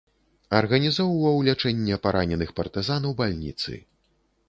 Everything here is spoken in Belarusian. Арганізоўваў лячэнне параненых партызан у бальніцы.